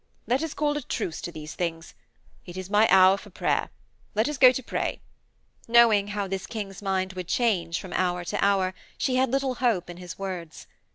Let us call a truce to these things. It is my hour for prayer. Let us go to pray.' Knowing how this King's mind would change from hour to hour, she had little hope in his words.